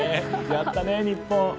やったね、日本！